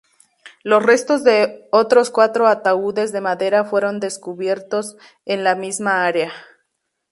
Los restos de otros cuatro ataúdes de madera fueron descubiertos en la misma área.